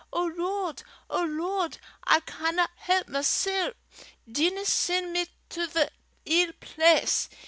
O Lord! O Lord! I canna help mysel'. Dinna sen' me to the ill place.